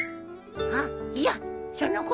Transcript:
あっいやそのことはもう。